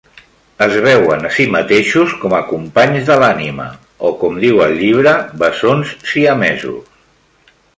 Es veuen a si mateixos com a companys de l'anima o, con diu el llibre "bessons siamesos".